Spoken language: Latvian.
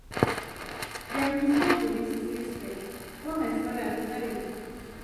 Ja mums būtu visas iespējas, ko mēs varētu darīt?